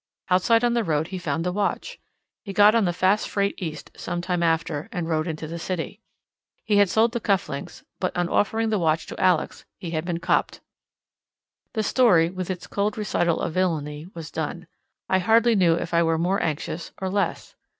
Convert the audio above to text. Outside on the road he found the watch. He got on the fast freight east, some time after, and rode into the city. He had sold the cuff links, but on offering the watch to Alex he had been "copped." The story, with its cold recital of villainy, was done. I hardly knew if I were more anxious, or less.